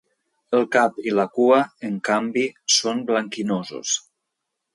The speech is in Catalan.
El cap i la cua, en canvi, són blanquinosos.